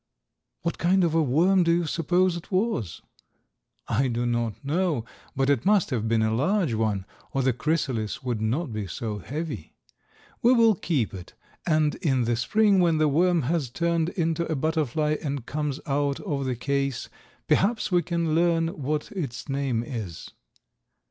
"What kind of a worm do you suppose it was?" "I do not know, but it must have been a large one, or the chrysalis would not be so heavy. We will keep it, and in the spring when the worm has turned into a butterfly and comes out of the case, perhaps we can learn what its name is."